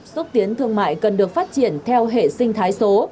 xúc tiến thương mại cần được phát triển theo hệ sinh thái số